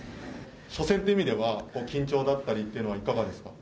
初戦という意味では緊張だったりというのはいかがでしたか？